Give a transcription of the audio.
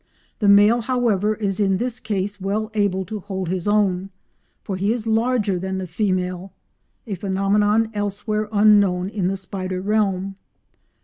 The male, however, is in this case well able to hold his own, for he is larger than the female, a phenomenon elsewhere unknown in the spider realm.